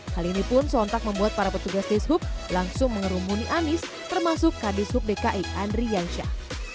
hal ini pun sontak membuat para petugas dishub langsung mengerumuni anies termasuk kd sub dki andri yansyah